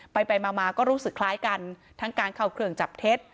ไปไปมาก็รู้สึกคล้ายกันทั้งการเข้าเครื่องจับเท็จ